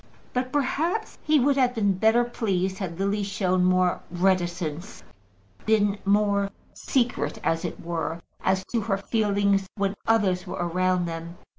But perhaps he would have been better pleased had Lily shown more reticence, been more secret, as it were, as to her feelings, when others were around them.